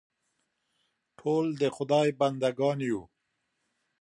ټول د خدای بندهګان یو.